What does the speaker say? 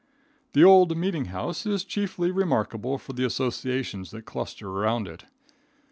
The old meeting house is chiefly remarkable for the associations that cluster around it.